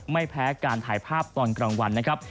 ไม่แพ้การถ่ายภาพตอนกลางวันนะครับ